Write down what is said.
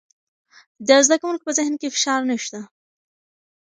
د زده کوونکو په ذهن کې فشار نشته.